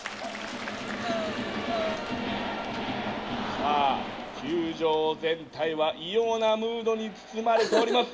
「さあ球場全体は異様なムードに包まれております。